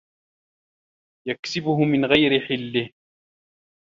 يَكْسِبُهُ مِنْ غَيْرِ حِلِّهِ